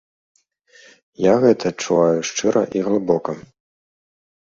Я гэта адчуваю шчыра і глыбока.